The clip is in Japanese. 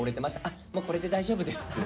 「あもうこれで大丈夫です」って。